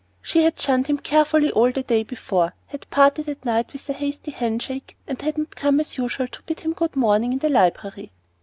She had shunned him carefully all the day before, had parted at night with a hasty handshake, and had not come as usual to bid him good morning in the library.